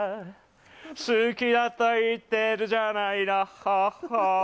好きだと言っているじゃないのホッホ。